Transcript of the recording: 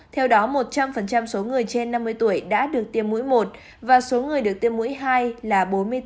theo đó một trăm linh số người trên năm mươi tuổi đã được tiêm mũi một và số người được tiêm mũi hai là bốn mươi bốn